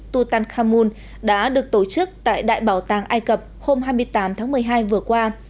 tutankhammun đã được tổ chức tại đại bảo tàng ai cập hôm hai mươi tám tháng một mươi hai vừa qua